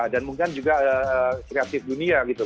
dan mungkin juga kreatif dunia gitu